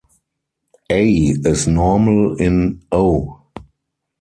"A" is normal in O.